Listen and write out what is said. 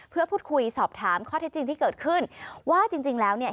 เพื่อพูดคุยสอบถามข้อเท็จจริงที่เกิดขึ้นว่าจริงแล้วเนี่ย